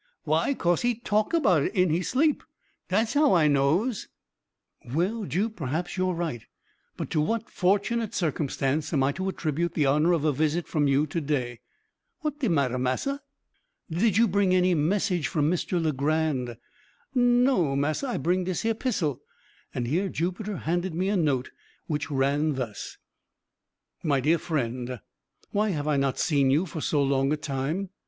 why, 'cause he talk about it in he sleep dat's how I nose." "Well, Jup, perhaps you are right; but to what fortunate circumstance am I to attribute the honor of a visit from you to day?" "What de matter, massa?" "Did you bring any message from Mr. Legrand?" "No, massa, I bring dis here pissel;" and here Jupiter handed me a note which ran thus: "My Dear : Why have I not seen you for so long a time?